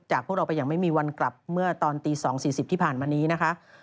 พวกเราไปอย่างไม่มีวันกลับเมื่อตอนตี๒๔๐ที่ผ่านมานี้นะคะ